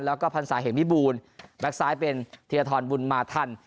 แล้วก็พันธ์สาเหงมิบูลแบ็กซ้ายเป็นเทียธรรมวลมาทัน